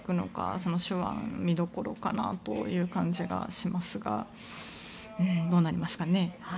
その手腕が見どころかなという感じがしますがどうなりますかね。